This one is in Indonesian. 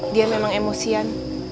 dia memang emosian